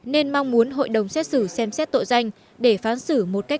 nên mong muốn hội đồng xét xử xem xét tội danh để phán xử một cách